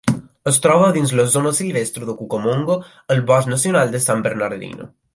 Es troba dins de la zona silvestre de Cucamonga al Bosc Nacional de San Bernardino.